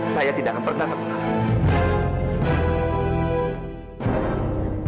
saya tidak akan bertanggung jawab